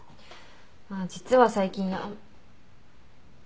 まあ実は最近やっ。